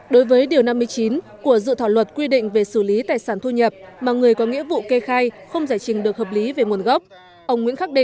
đối với điều năm mươi chín của dự thảo luật quy định về xử lý tài sản thu nhập mà người có nghĩa vụ kê khai không giải trình được hợp lý về nguồn gốc đề